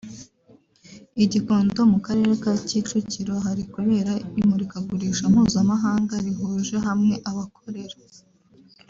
I Gikondo mu karere ka Kicukiro hari kubera imurikagurisha mpuzamahanga rihurije hamwe abakorera